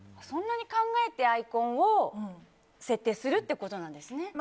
そんなに考えてアイコンを設定するってことなんですね。